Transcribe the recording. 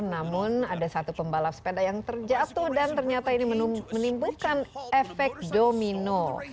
namun ada satu pembalap sepeda yang terjatuh dan ternyata ini menimbulkan efek domino